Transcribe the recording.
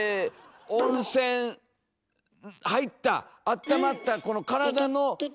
温泉入ったあったまったこの体の。